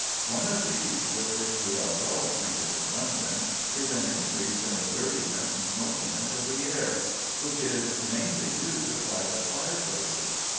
One of these, with which we are well acquainted in London, is an increase in the dirtiness and smokiness of the air, which is mainly due to private fireplaces.